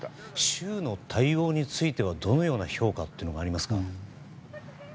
州の対応についてはどのような評価がありますか。